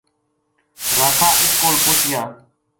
راکھاں اس کول پوہچیا